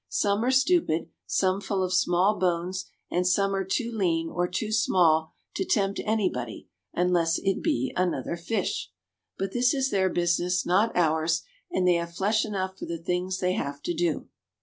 Some are insipid, some full of small bones and some are too lean or too small to tempt anybody, unless it be another fish. But this is their business, not ours, and they have flesh enough for the things they have to do.